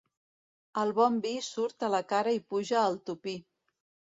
El bon vi surt a la cara i puja al topí.